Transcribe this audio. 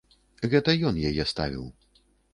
Гэта ён яе ставіў.